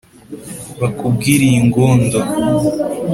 Bakubwire iy' Ingondo,